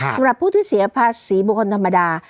สำหรับผู้ที่เสียภาษีบุคคลธรรมดา